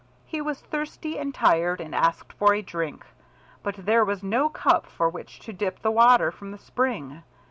He was thirsty and tired, and asked for a drink, but there was no cup with which to dip the water from the spring.